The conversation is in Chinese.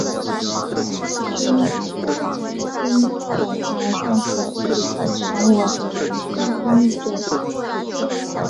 军兵种元帅可被晋升为军兵种主帅。